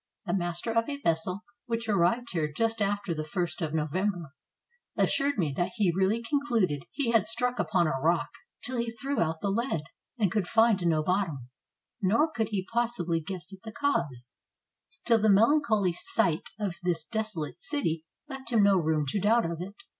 The master of a vessel which arrived here just after the ist of November, assured me that he really con cluded he had struck upon a rock, till he threw out the lead, and could find no bottom, nor could he possibly guess at the cause, till the melancholy sight of this deso late city left him no room to doubt of it.